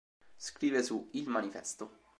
Scrive su "il manifesto".